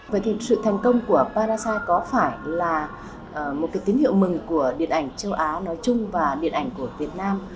vậy thì sự thành công của parasite có phải là một cái tín hiệu mừng của điện ảnh châu á nói chung và điện ảnh của việt nam